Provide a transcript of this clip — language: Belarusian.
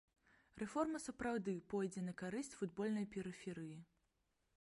Рэформа сапраўды пойдзе на карысць футбольнай перыферыі.